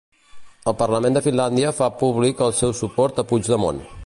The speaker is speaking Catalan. El Parlament de Finlàndia fa públic el seu suport a Puigdemont